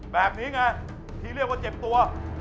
แบบนี้ไงที่เรียกว่าเจ็บตัว